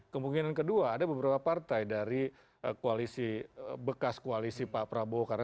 kemungkinan kedua ada beberapa partai dari koalisi bekas koalisi pak prabowo